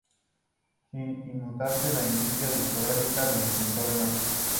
Sin inmutarse, la industria discográfica lo intentó de nuevo.